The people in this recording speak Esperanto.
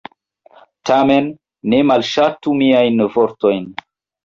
Tamen, ne malŝatu miajn vortojn.